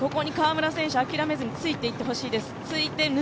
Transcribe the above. ここに川村選手、諦めずについていってほしいです。